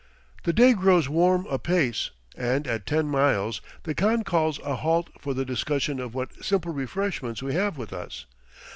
The day grows warm apace, and, at ten miles, the khan calls a halt for the discussion of what simple refreshments we have with us.